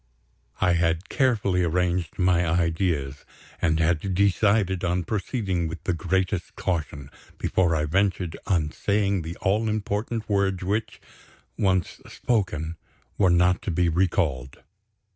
I had carefully arranged my ideas, and had decided on proceeding with the greatest caution, before I ventured on saying the all important words which, once spoken, were not to be recalled.